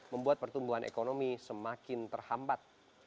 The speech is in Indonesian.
membuat pertumbuhan ekonomi semakin terhambat